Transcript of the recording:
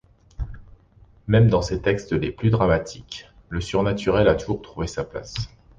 Même dans ses textes les plus dramatiques, le surnaturel a toujours trouvé sa place.